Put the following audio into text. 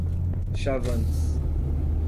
Chavantes